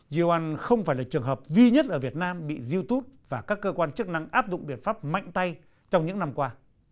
yeo an không phải là trường hợp duy nhất ở việt nam bị youtube và các cơ quan chức năng áp dụng biện pháp mạnh tay trong những năm qua